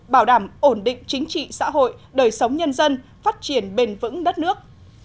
bảo đảm ổn định chính trị xã hội đời sống nhân dân phát triển bền vững đất nước